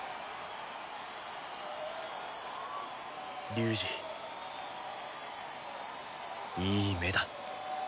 龍二いい目だ。